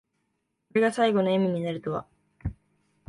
これが最期の笑みになるとは。